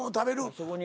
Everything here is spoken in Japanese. そこに。